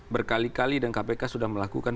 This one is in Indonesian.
berkali kali dan kpk sudah melakukan